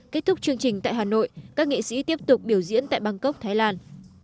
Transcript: kết thúc chương trình tại hà nội các nghệ sĩ tiếp tục biểu diễn tại bangkok thái lan